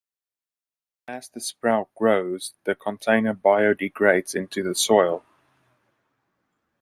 As the sprout grows, the container biodegrades into the soil.